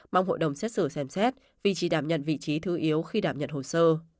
mong hội đồng xét xử xem xét vị trí đảm nhận vị trí thư yếu khi đảm nhận hồ sơ